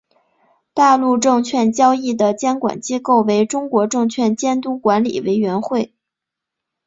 大陆证券交易的监管机构为中国证券监督管理委员会。